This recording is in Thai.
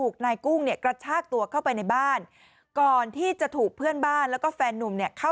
ก้อยไปบ้าน